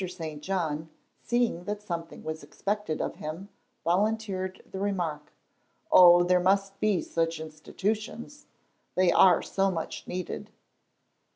St. John, seeing that something was expected of him, volunteered the remark, "Oh, there must be such institutions; they are so much needed."